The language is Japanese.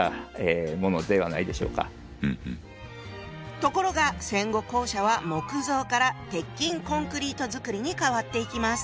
ところが戦後校舎は木造から鉄筋コンクリート造りにかわっていきます。